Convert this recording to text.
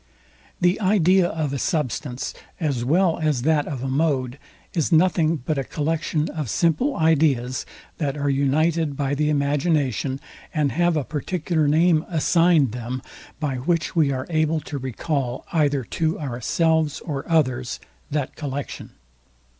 The idea of a substance as well as that of a mode, is nothing but a collection of Simple ideas, that are united by the imagination, and have a particular name assigned them, by which we are able to recall, either to ourselves or others, that collection.